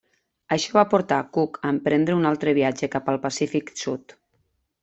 Això va portar a Cook a emprendre un altre viatge cap al Pacífic sud.